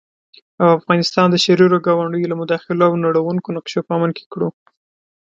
او افغانستان د شريرو ګاونډيو له مداخلو او نړوونکو نقشو په امن کې کړو